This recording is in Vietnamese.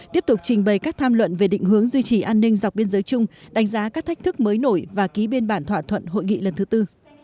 tiếp tục trình bày các tham luận về định hướng duy trì an ninh dọc biên giới chung đánh giá các thách thức mới nổi và ký biên bản thỏa thuận hội nghị lần thứ tư